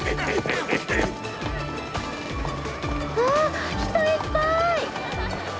わぁ人いっぱい！